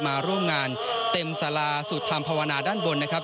มาร่วมงานเต็มสาราสูตรธรรมภาวนาด้านบนนะครับ